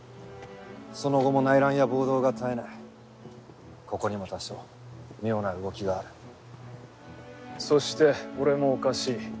その後も内乱や暴動が絶えないここにも多少妙な動きがあるそして俺もおかしい？